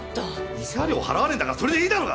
慰謝料払わねえんだからそれでいいだろうが！